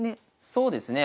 そうですね。